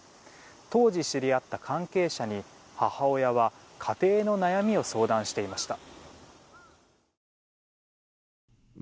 当時知り合った関係者に母親は、家庭の悩みを相談していました。